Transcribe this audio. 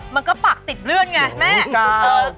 มันก็ปากติดเลื่อนไงแม่โอ้โฮจ้าว